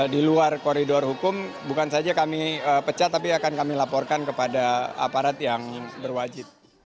di luar koridor hukum bukan saja kami pecat tapi akan kami laporkan kepada aparat yang berwajib